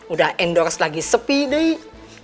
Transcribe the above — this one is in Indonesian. udah endorse lagi sepi deh